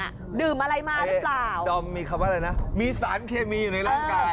ดื่มอะไรมาหรือเปล่าดอมมีคำว่าอะไรนะมีสารเคมีอยู่ในร่างกาย